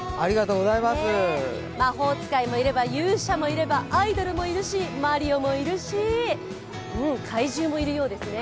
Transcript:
魔法使いいれば、勇者もいれば、アイドルもいるし、マリオもいるし、怪獣もいるようですね。